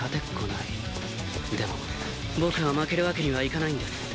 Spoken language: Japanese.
でも僕は負けるわけにはいかないんです。